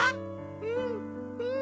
うんうん。